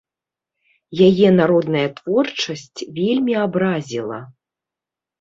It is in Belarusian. Яе народная творчасць вельмі абразіла.